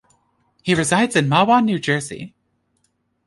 He resides in Mahwah, New Jersey.